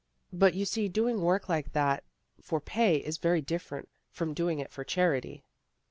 " But you see doing work like that for pay is very different from doing it for charity."